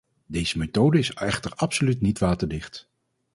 Deze methode is echter absoluut niet waterdicht!